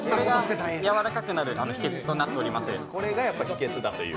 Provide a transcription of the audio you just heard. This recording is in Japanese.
やわらかくなる秘けつとなっております。